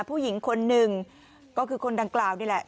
ผู้หญิงคนหนึ่งก็คือคนดังกล่าวนี่แหละ